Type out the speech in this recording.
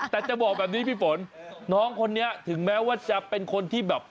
แต่จะบอกแบบนี้พี่ฝนน้องคนนี้ถึงแม้ว่าจะเป็นคนที่แบบ